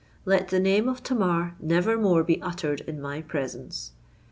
Let the name of Tamar never more be uttered in my presence.